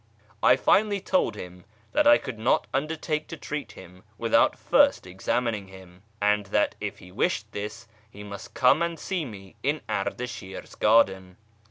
I finally told him that I could not undertake to treat him without first examining him, and that if he wished this he must come and see me in Ardashir's |.;arden.